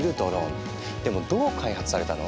でもどう開発されたの？